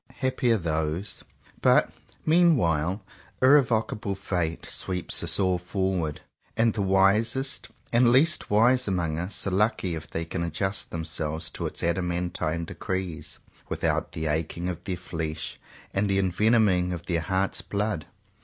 Happy are those; but, meanwhile, irrevo cable Fate sweeps us all forward, and the wisest and least wise among us are lucky if they can adjust themselves to its adaman tine decrees, without the aching of their flesh and the envenoming of their heart's 174 JOHN COWPER POWYS blood.